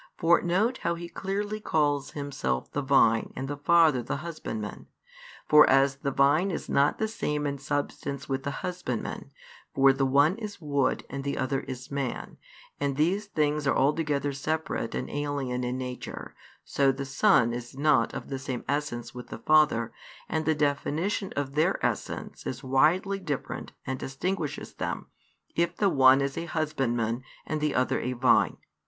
For note how He clearly calls Himself the Vine and the Father the Husbandman: for as the vine is not the same in substance with the husbandman, for the one is wood and the other is man, and these things are altogether separate and alien in nature, so the Son is not of the same Essence with the Father, and the definition of Their Essence is widely different and distinguishes Them, if the One is a Husbandman and the Other a Vine.